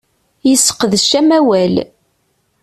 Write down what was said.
Yesseqdec amawal.